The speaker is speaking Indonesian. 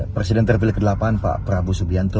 presiden terpilih ke delapan pak prabowo subianto